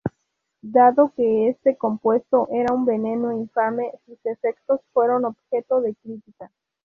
Dado que este compuesto era un veneno infame, sus intentos fueron objeto de crítica.